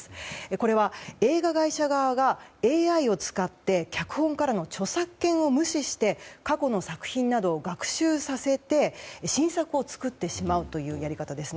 これは、映画会社側がＡＩを使って脚本家らの著作権を無視して過去の作品などを学習させて新作を作ってしまうというやり方です。